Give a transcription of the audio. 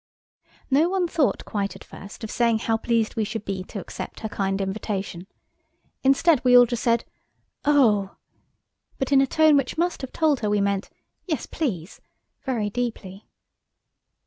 No one thought quite at first of saying how pleased we should be to accept her kind invitation. Instead we all just said "Oh!" but in a tone which must have told her we meant "Yes, please," very deeply.